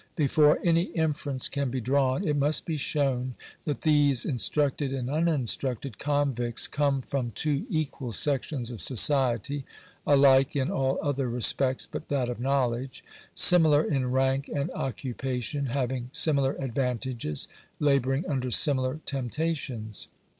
Before any inference can be drawn, it must be shown that these instructed and uninstructed convicts, come from two equal sections of society, alike in all other re spects but that of knowledge — similar in rank and occupation, having similar advantages, labouring under similar temptations.